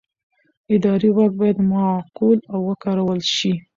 اداري واک باید معقول وکارول شي.